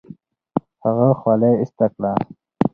هغه خولۍ ایسته کړه.